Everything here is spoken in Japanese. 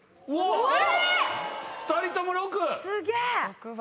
２人とも６番。